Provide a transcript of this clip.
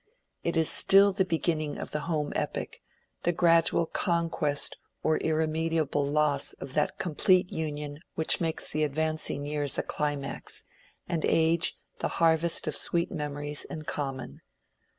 It is still the beginning of the home epic—the gradual conquest or irremediable loss of that complete union which makes the advancing years a climax, and age the harvest of sweet memories in common.